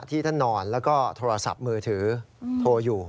ที่นอนและทีมือถือโทรอยู่